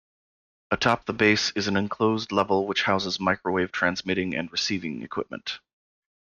Atop the base is an enclosed level which houses microwave transmitting and receiving equipment.